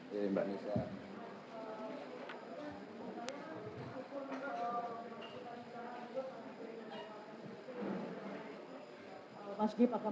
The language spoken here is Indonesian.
jadi itu sudah bisa